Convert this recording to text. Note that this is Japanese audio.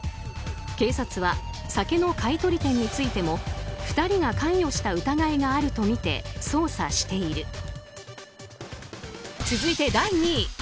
警察は酒の買い取り店についても２人が関与した疑いがあるとみて捜査している。